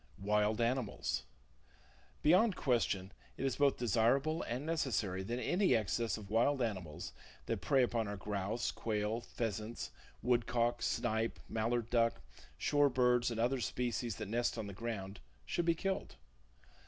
Wild Animals. —Beyond question, it is both desirable and necessary that any excess of wild animals that prey upon our grouse, quail, pheasants, [Page 78] woodcock, snipe, mallard duck, shore birds and other species that nest on the ground, should be killed.